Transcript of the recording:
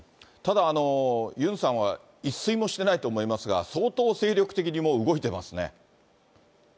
ただ、ユンさんは、一睡もしてないと思いますが、相当精力的にもう動いてますね。